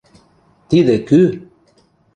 Тидӹ кӱ?